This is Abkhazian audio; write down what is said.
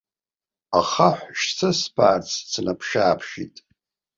Ахаҳә шьҭысԥаарц снаԥшы-ааԥшит.